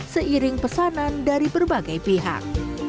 seiring pesanan dari berbagai pihak